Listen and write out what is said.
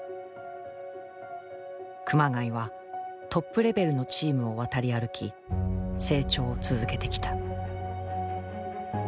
熊谷はトップレベルのチームを渡り歩き成長を続けてきた。